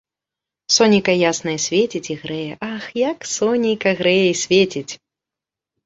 Сонейка яснае свеціць і грэе, ах, як сонейка грэе і свеціць!